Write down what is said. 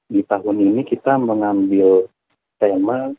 di tahun ini kita mengambil tema